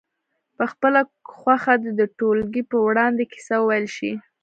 په خپله خوښه دې د ټولګي په وړاندې کیسه وویل شي.